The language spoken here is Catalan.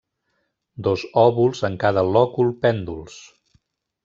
Dos òvuls en cada lòcul pènduls.